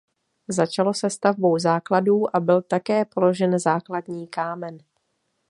Začalo se stavbou základů a byl také položen základní kámen.